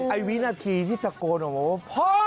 ไอวินาทีที่ตะโกนอ๋อพ่อ